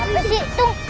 kenapa si kentung